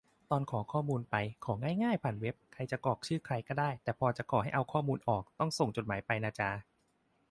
ตอนขอข้อมูลไป ของ๊ายง่ายผ่านเว็บ ใครจะกรอกชื่อใครก็ได้ แต่พอจะขอให้เอาข้อมูลออก ต้องส่งจดหมายไปนาจา